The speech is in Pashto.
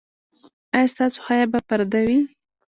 ایا ستاسو حیا به پرده وي؟